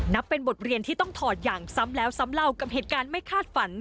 นับเป็นบทเรียนที่ต้องถอดอย่างซ้ำแล้วซ้ำเล่ากับเหตุการณ์ไม่คาดฝัน